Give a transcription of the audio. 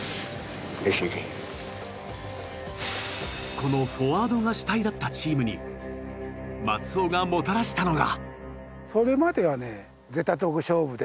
このフォワードが主体だったチームに松尾がもたらしたのが。